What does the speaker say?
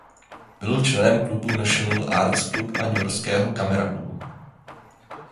Byl členem klubu National Arts Club a newyorského Camera Clubu.